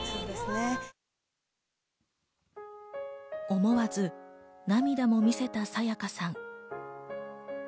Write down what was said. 思わず涙も見せた沙也加さん。